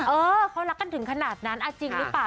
เออเขารักกันถึงขนาดนั้นจริงหรือเปล่า